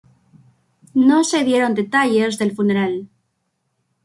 No se dieron detalles del funeral.